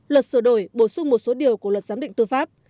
luật sửa đổi bổ sung một số điều của luật giám định tư pháp